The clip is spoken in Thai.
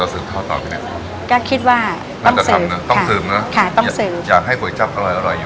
ลูกเสาร์ควรว่าจะเสิร์ฟท่อต่อไปไหน